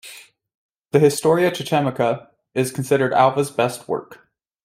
The "Historia chichimeca" is considered Alva's best work.